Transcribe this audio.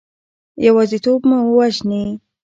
یوازیتوب مو وژني.